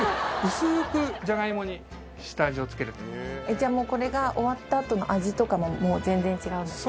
じゃあもうこれが終わった後の味とかももう全然違うんですか？